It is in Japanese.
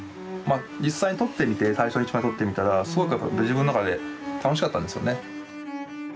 まっ実際に撮ってみて最初に一枚撮ってみたらすごくやっぱり自分の中で楽しかったんですよね。